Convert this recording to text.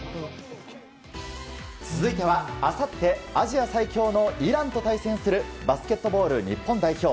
続いてはあさって、アジア最強のイランと対戦するバスケットボール日本代表。